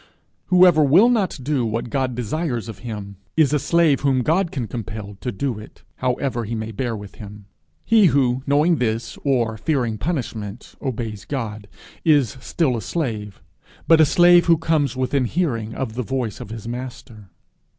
Whoever will not do what God desires of him, is a slave whom God can compel to do it, however he may bear with him. He who, knowing this, or fearing punishment, obeys God, is still a slave, but a slave who comes within hearing of the voice of his master.